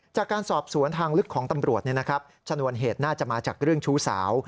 จากการสอบสวนทางลึกของตำรวจชนวนเหตุน่าจะมาจากเรื่องชู้สาว